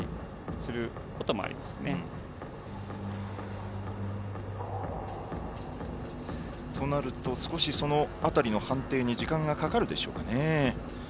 そうなりますとその辺りの判定に時間がかかるでしょうね。